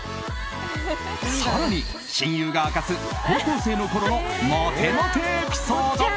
更に、親友が明かす高校生のころのモテモテエピソード。